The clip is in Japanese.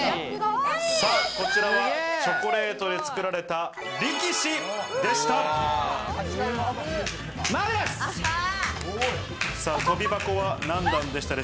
さぁ、こちらはチョコレートで作られた、力士でした。